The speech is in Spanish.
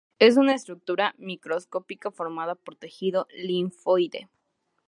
Es una estructura microscópica formada por tejido linfoide.